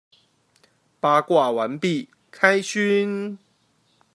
八卦完畢，開勳！